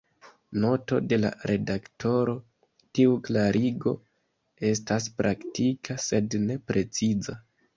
Noto de la redaktoro: Tiu klarigo estas praktika, sed ne preciza.